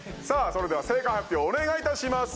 それでは正解発表お願いいたします